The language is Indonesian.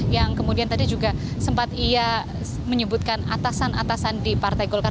yang kemudian tadi juga sempat ia menyebutkan atasan atasan di partai golkar